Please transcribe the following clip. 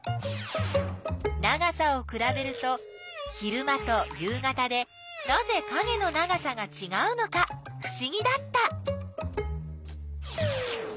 長さをくらべると昼間と夕方でなぜかげの長さがちがうのかふしぎだった。